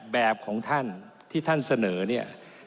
แบบของท่านที่ท่านเสนอเนี่ย